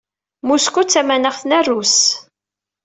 Mosku d tamaneɣt n Rrus.